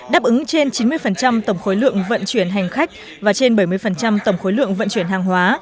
đáp ứng trên chín mươi tổng khối lượng vận chuyển hành khách và trên bảy mươi tổng khối lượng vận chuyển hàng hóa